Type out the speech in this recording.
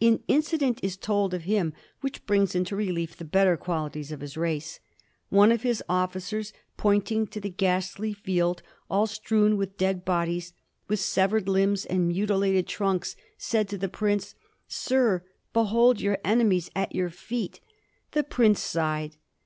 An incident is told of him which brings into relief the better qualities of his race. One of his oflicers, pointing to the ghastly field, all strewn with dead bod ies, with severed limbs and mutilated trunks, said to the prince, "Sir, behold your enemies at your feet." The prince sighed.